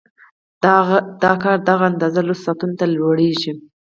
د کار دغه اندازه لسو ساعتونو ته لوړېږي